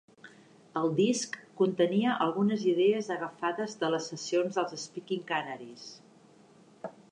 El disc contenia algunes idees agafades de les sessions dels Speaking Canaries.